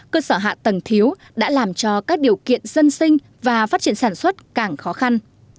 cơ sở hạ tầng thiếu đã làm cho các điều kiện dân sinh và phát triển sản xuất càng khó khăn